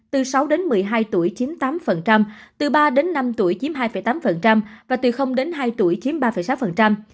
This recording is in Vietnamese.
từ sáu đến một mươi hai tuổi chiếm tám từ ba đến năm tuổi chiếm hai tám và từ đến hai tuổi chiếm ba sáu